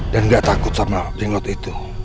dan gak takut sama jenglot itu